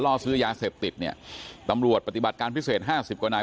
ล่อซื้อยาเสพติดเนี่ยตำรวจปฏิบัติการพิเศษห้าสิบกว่านาย